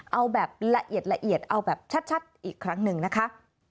เอาแบบละเอียดละเอียดเอาแบบชัดอีกครั้งหนึ่งนะคะ